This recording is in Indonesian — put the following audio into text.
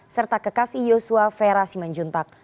serta kekasih yosua vera simanjuntak